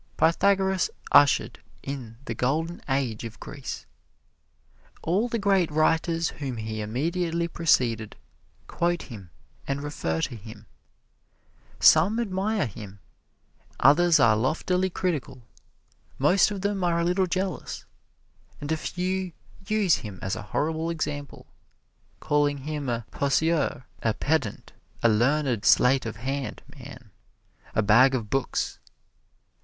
Pythagoras ushered in the Golden Age of Greece. All the great writers whom he immediately preceded, quote him and refer to him. Some admire him; others are loftily critical; most of them are a little jealous; and a few use him as a horrible example, calling him a poseur, a pedant, a learned sleight of hand man, a bag of books.